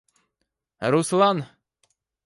Руслан